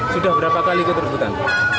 sudah berapa kali ikut rebutan